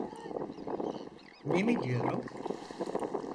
Ne mi diyorum?